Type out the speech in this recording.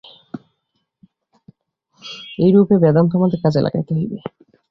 এইরূপে বেদান্ত আমাদের কাজে লাগাইতে হইবে।